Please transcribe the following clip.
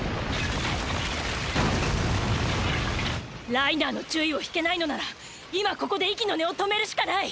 ライナーの注意を引けないのなら今ここで息の根を止めるしかない。